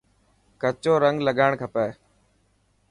ڪچو رنگ لگان کپي.